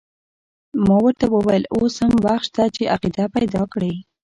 ما ورته وویل اوس هم وخت شته چې عقیده پیدا کړې.